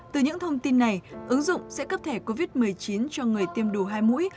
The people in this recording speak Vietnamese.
từ những thông tin này ứng dụng sẽ cấp thẻ covid một mươi chín cho người tiêm đủ hai mũi